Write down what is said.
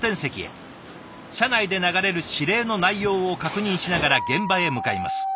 車内で流れる指令の内容を確認しながら現場へ向かいます。